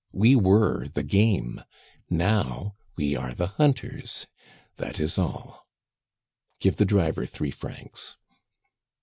We were the game, now we are the hunters that is all. "Give the driver three francs."